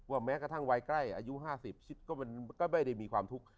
ว่าแม้กระทั่งวัยใกล้อายุ๕๐ก็ไม่ได้มีความทุกข์